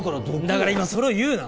だから今それを言うな！